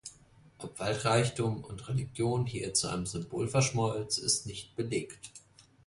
Ob Waldreichtum und Religion hier zu einem Symbol verschmolz, ist nicht belegt.